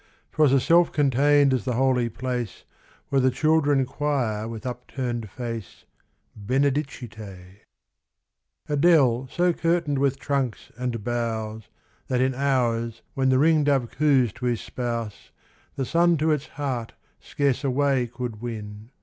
'Twas as self contained as the holy place Where the children quire with upturned face, Benedicite. v A dell so curtained with trunks and boughs, That in hours when the ringdove coos to his spouse, The sun to its heart scarce a way could win.